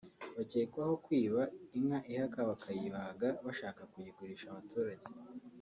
bakekwaho kwiba inka ihaka bakayibaga bashaka kuyigurisha abaturage